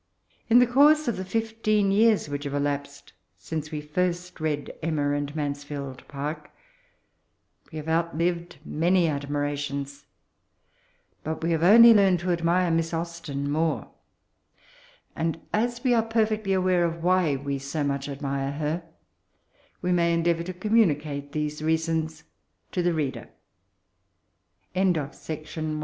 In the course of the fifteen years which have elapsed since we first read Emma, ana Mansfield Park, we have out lived many admirations, but have only learned to admire Mis3 Austen more ; and as we are perfectly aware of tohy we so much admire her, we may endeavour to communicate these reasons